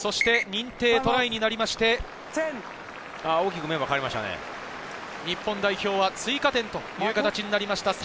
認定トライになりまして、日本代表は追加点という形になりました。